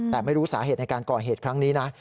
แต่ไม่รู้สาเหตุในการก่อเหตุครั้งนี้นะ